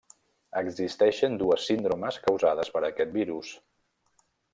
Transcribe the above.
Existeixen dues síndromes causades per aquest virus.